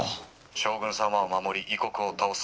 「将軍様を守り異国を倒す。